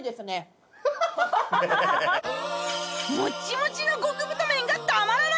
もちもちの極太麺がたまらない！